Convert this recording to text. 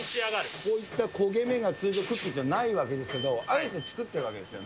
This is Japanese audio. こういった焦げ目が通常のクッキーにはないわけですけど、あえて作ってるわけですよね。